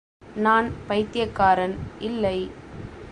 நான் பைத்தியக்காரன் இல்லை.